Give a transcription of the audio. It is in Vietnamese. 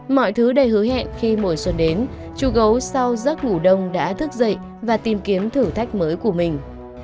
mọi thứ đầy hứa hẹn khi mùa xuân đến chú gấu sau giấc ngủ đông đã thức dậy và tìm kiếm thử thách mới của mình